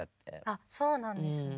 あっそうなんですね。